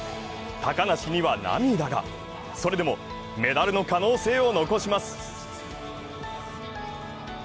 高梨には涙がそれでもメダルの可能性を残します。